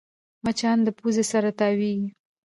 مچان د پوزې سره تاوېږي